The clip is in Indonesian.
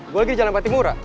gue lagi di jalan patimura